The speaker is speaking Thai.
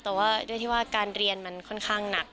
แต่ว่าการเรียนมันค่อนข้างหนัก